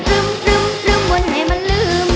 ดรึ่มดรึ่มดรึ่มวนให้มันลืม